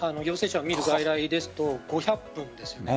者を診る外来ですと５００分ですよね。